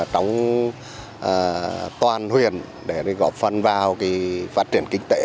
trong toàn huyện để góp phần vào phát triển kinh tế